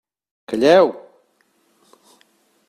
Calleu!